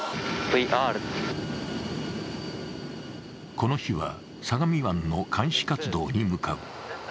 この日は相模湾の監視活動に向かう。